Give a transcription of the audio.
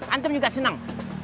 antum juga senang